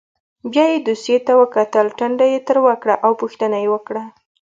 بیا یې دوسیې ته وکتل ټنډه یې تروه کړه او پوښتنه یې وکړه.